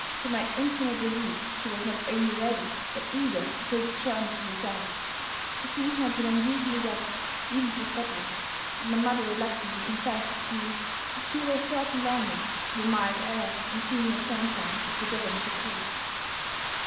To my infinite relief, she was not only ready, but eager to take the journey to the South. The season had been unusually wet, even for Scotland; and my mother reluctantly confessed that she "did feel a certain longing" for the mild air and genial sunshine of the Devonshire coast.